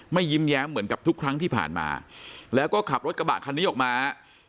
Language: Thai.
ยิ้มแย้มเหมือนกับทุกครั้งที่ผ่านมาแล้วก็ขับรถกระบะคันนี้ออกมา